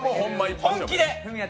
本気で！